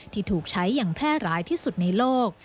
ที่ถูกใช้อย่างแพร่ร้ายที่สุดในโลก